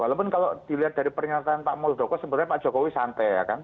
walaupun kalau dilihat dari pernyataan pak muldoko sebenarnya pak jokowi santai ya kan